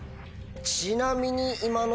ちなみに。